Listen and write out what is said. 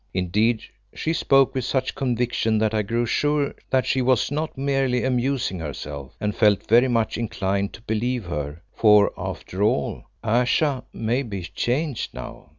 Indeed, she spoke with such conviction that I grew sure that she was not merely amusing herself, and felt very much inclined to believe her, for, after all, Ayesha may be changed now.